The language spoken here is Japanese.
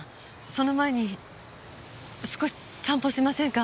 その前に少し散歩しませんか？